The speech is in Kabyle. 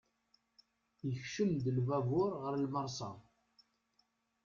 Ikcem-d lbabur ɣer lmersa.